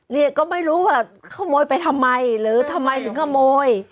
เนี่ยก็ไม่รู้ว่าขโมยไปทำไมหรือทำไมถึงขโมย